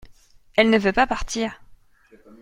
Elle ne veut pas partir.